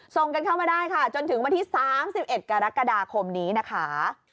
ส่งกันเข้ามาได้ค่ะจนถึงวันที่๓๑กรกฎาคมนี้นะคะ